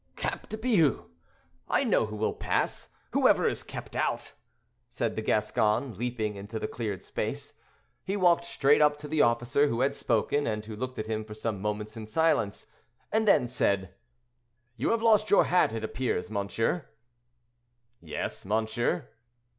"Cap de Bious! I know who will pass, whoever is kept out!" said the Gascon, leaping into the cleared space. He walked straight up to the officer who had spoken, and who looked at him for some moments in silence, and then said: "You have lost your hat, it appears, monsieur?" "Yes, monsieur."